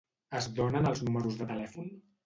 Es donen els números de telèfon?